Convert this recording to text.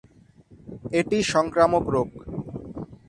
এটি সংক্রামক রোগ।